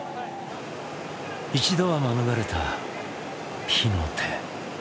一度は免れた火の手。